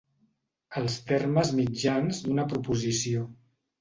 Els termes mitjans d'una proposició.